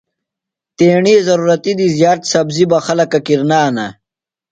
تیݨی ضرورتی دی زِیات سبزیۡ بہ خلکہ کِرنانہ۔